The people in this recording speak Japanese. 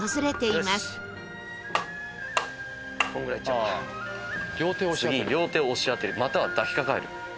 次に両手を押し当てるまたは抱きかかえる。